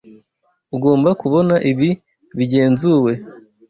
Ugomba kubona ibi bigenzuwe.